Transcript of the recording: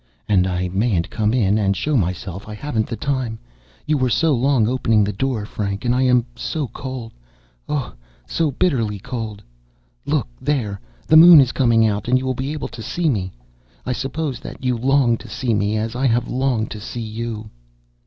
"And I mayn't come in and show myself. I haven't the time. You were so long opening the door, Frank, and I am so cold—oh, so bitterly cold! Look there, the moon is coming out, and you will be able to see me. I suppose that you long to see me, as I have longed to see you."